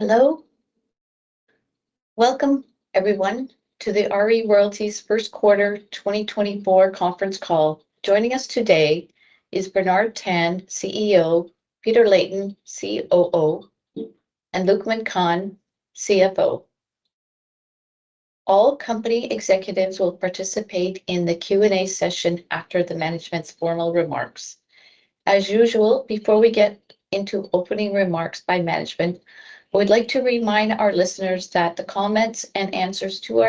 Hello. Welcome, everyone, to the RE Royalties First Quarter 2024 conference call. Joining us today is Bernard Tan, CEO, Peter Leighton, COO, and Luqman Khan, CFO. All company executives will participate in the Q&A session after the management's formal remarks. As usual, before we get into opening remarks by management, I would like to remind our listeners that the comments and answers to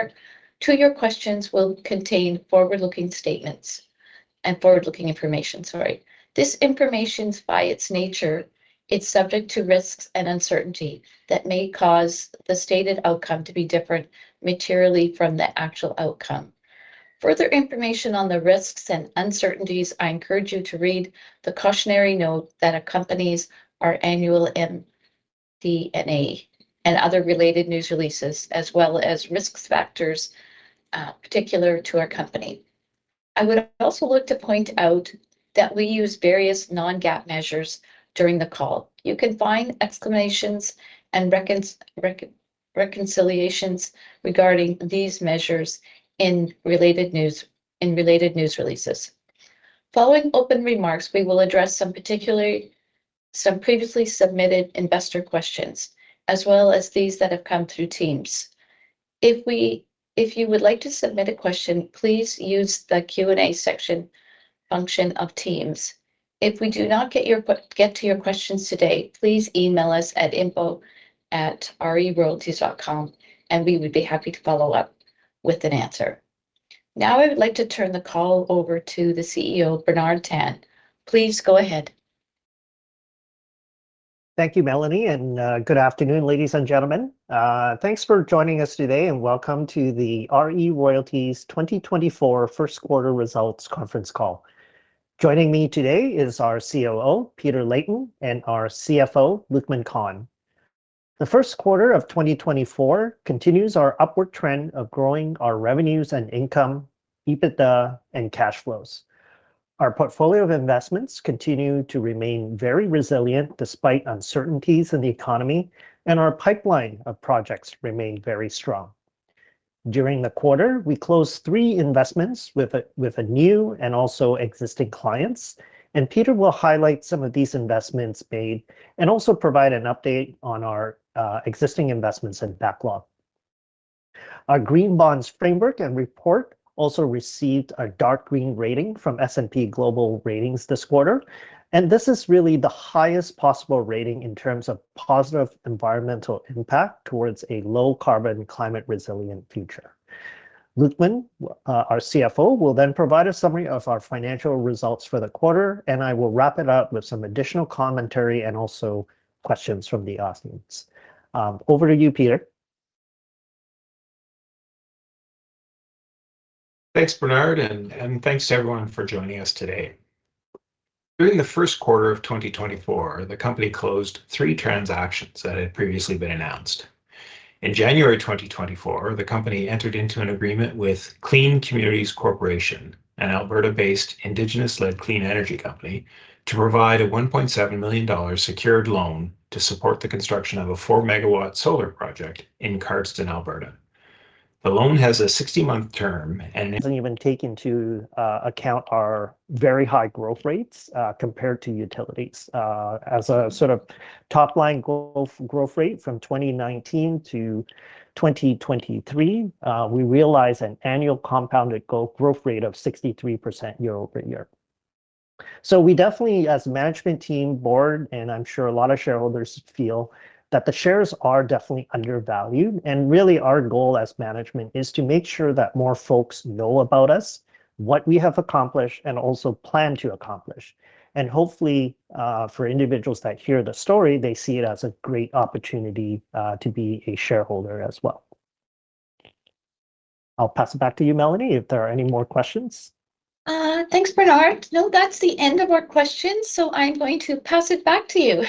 your questions will contain forward-looking statements and forward-looking information, sorry. This information, by its nature, is subject to risks and uncertainty that may cause the stated outcome to be different materially from the actual outcome. Further information on the risks and uncertainties, I encourage you to read the cautionary note that accompanies our annual MD&A and other related news releases, as well as risk factors particular to our company. I would also like to point out that we use various non-GAAP measures during the call. You can find explanations and reconciliations regarding these measures in related news releases. Following open remarks, we will address some previously submitted investor questions, as well as these that have come through Teams. If you would like to submit a question, please use the Q&A section function of Teams. If we do not get to your questions today, please email us at info@reroyalties.com, and we would be happy to follow up with an answer. Now, I would like to turn the call over to the CEO, Bernard Tan. Please go ahead. Thank you, Melanie, and good afternoon, ladies and gentlemen. Thanks for joining us today, and welcome to the RE Royalties 2024 first quarter results conference call. Joining me today is our COO, Peter Leighton, and our CFO, Luqman Khan. The first quarter of 2024 continues our upward trend of growing our revenues and income, EBITDA, and cash flows. Our portfolio of investments continue to remain very resilient, despite uncertainties in the economy, and our pipeline of projects remain very strong. During the quarter, we closed 3 investments with a new and also existing clients, and Peter will highlight some of these investments made, and also provide an update on our existing investments and backlog. Our green bonds framework and report also received a Dark Green rating from S&P Global Ratings this quarter, and this is really the highest possible rating in terms of positive environmental impact towards a low-carbon climate resilient future. Luqman, our CFO, will then provide a summary of our financial results for the quarter, and I will wrap it up with some additional commentary and also questions from the audience. Over to you, Peter. Thanks, Bernard, and thanks to everyone for joining us today. During the first quarter of 2024, the company closed 3 transactions that had previously been announced. In January 2024, the company entered into an agreement with Clean Communities Corporation, an Alberta-based Indigenous-led clean energy company, to provide a 1.7 million dollars secured loan to support the construction of a 4-MW solar project in Cardston, Alberta. The loan has a 60-month term and-Doesn't even take into account our very high growth rates, compared to utilities. As a sort of top-line goal growth rate from 2019 to 2023, we realize an annual compounded goal growth rate of 63% year-over-year. So we definitely, as a management team, board, and I'm sure a lot of shareholders feel, that the shares are definitely undervalued. And really, our goal as management is to make sure that more folks know about us, what we have accomplished, and also plan to accomplish. And hopefully, for individuals that hear the story, they see it as a great opportunity, to be a shareholder as well. I'll pass it back to you, Melanie, if there are any more questions. Thanks, Bernard. No, that's the end of our questions, so I'm going to pass it back to you.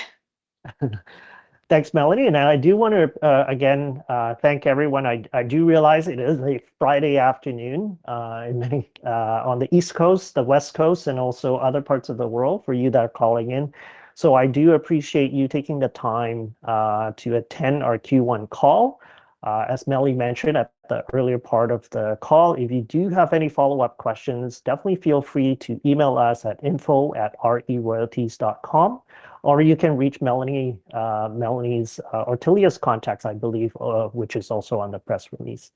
Thanks, Melanie, and I do want to again thank everyone. I do realize it is a Friday afternoon in many on the East Coast, the West Coast, and also other parts of the world for you that are calling in. So I do appreciate you taking the time to attend our Q1 call. As Melanie mentioned at the earlier part of the call, if you do have any follow-up questions, definitely feel free to email us at info@reroyalties.com, or you can reach Melanie, Melanie's Or Talia's contacts, I believe, which is also on the press release.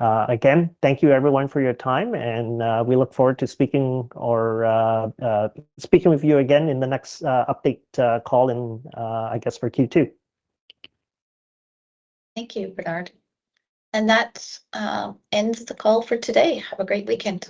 Again, thank you everyone for your time, and we look forward to speaking with you again in the next update call, in I guess, for Q2. Thank you, Bernard. That ends the call for today. Have a great weekend.